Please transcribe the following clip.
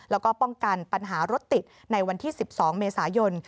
แล้วก็ป้องกันปัญหารถติดในวันที่๑๒เมษายน